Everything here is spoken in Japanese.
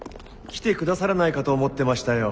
来てくださらないかと思ってましたよ。